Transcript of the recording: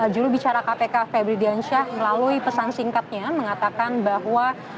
jurubicara kpk febri diansyah melalui pesan singkatnya mengatakan bahwa